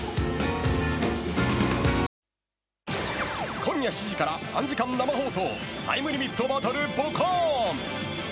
今夜７時から３時間生放送「タイムリミットバトルボカーン！」。